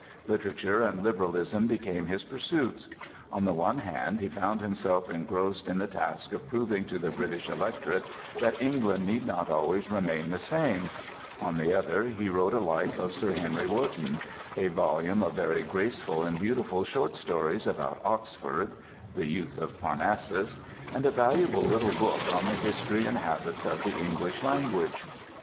Literature and liberalism became his pursuits; on the one hand, he found himself engrossed in the task of proving to the British electorate that England need not always remain the same; on the other, he wrote a Life of Sir Henry Wotton, a volume of very graceful and beautiful short stories about Oxford ("The Youth of Parnassus") and a valuable little book on the history and habits of the English language.